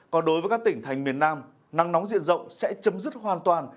còn đối với các tỉnh thành miền nam nắng nóng diện rộng sẽ chấm dứt hoàn toàn